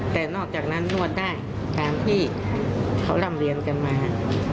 แต่นอกจากนั้นนวดได้ตามที่เขาร่ำเรียนกันมา